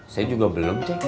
saya juga belum ceng